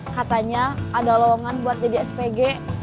katanya ada lowongan buat jadi spg